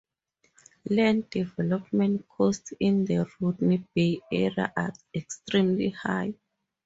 Land development costs in the Rodney Bay area are extremely high.